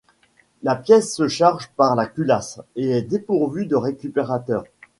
La pièce se charge par la culasse et est dépourvue de récupérateur.